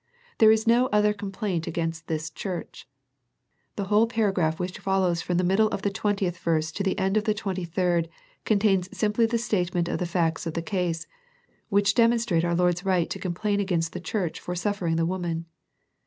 There is no other complaint against this church. The whole paragraph which follows from the middle of the twentieth verse to the end of the twenty third contains simply the statement of the facts of the case, which demonstrate our Lord's right to com plain against the church for suffering the woman.